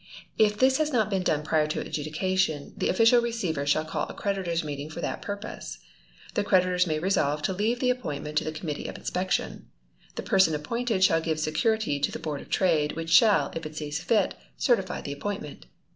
If this has not been done prior to adjudication, the Official Receiver shall call a creditors' meeting for that purpose. The creditors may resolve to leave the appointment to the committee of inspection. The person appointed shall give security to the Board of Trade, which shall, if it sees fit, certify the appointment.